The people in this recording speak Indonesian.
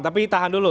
tapi tahan dulu